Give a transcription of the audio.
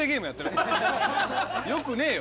よくねえよ！